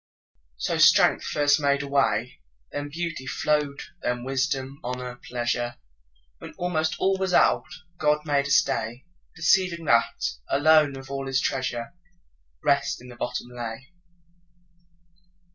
So strength first made a way, Then beauty flow'd, then wisdom, honour, pleasure; When almost all was out, God made a stay, Perceiving that, alone of all His treasure, Rest in the bottom lay.